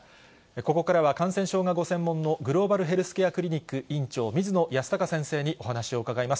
ここからはかんせんしょうがご専門の、グローバルヘルスケアクリニック院長、水野泰孝先生にお話を伺います。